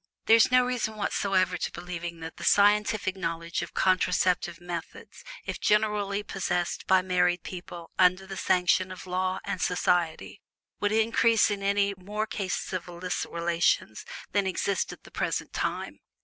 There is no reason whatsoever for believing that the scientific knowledge of contraceptive methods, if generally possessed by married people under the sanction of the law and society, would result in any more cases of illicit relations than exist at the present time.